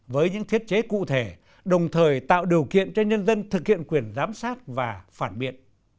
với những thiết chế cụ thể đồng thời tạo điều kiện cho nhân dân thực hiện quyền giám sát và phản biện